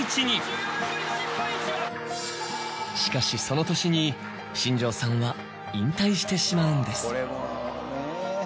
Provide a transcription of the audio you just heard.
しかしその年に新庄さんは引退してしまうんです。